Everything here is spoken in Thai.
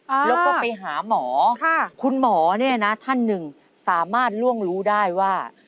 อ่าแล้วก็ไปหาหมอค่ะคุณหมอเนี่ยนะท่านหนึ่งสามารถล่วงรู้ได้ว่า